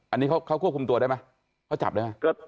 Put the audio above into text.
อันนี้เขาควบคุมตัวได้มั้ยเขาจับได้มั้ย